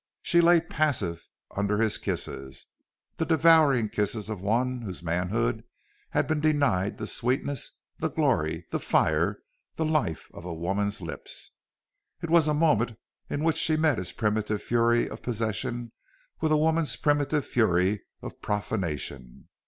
She lay passive under his kisses the devouring kisses of one whose manhood had been denied the sweetness, the glory, the fire, the life of woman's lips. It was a moment in which she met his primitive fury of possession with a woman's primitive fury of profanation.